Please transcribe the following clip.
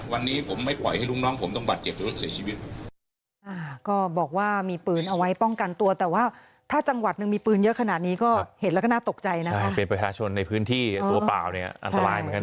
วันนี้ผมไม่ปล่อยให้ลูกน้องผมต้องบาดเจ็บหรือว่าเสียชีวิต